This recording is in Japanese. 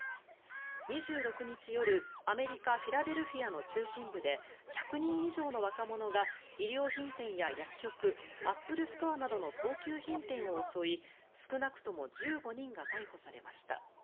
２６日夜アメリカ・フィラデルフィアの中心部で１００人以上の若者が衣料品店や薬局アップルストアなどの高級品店を襲い少なくとも１５人が逮捕されました。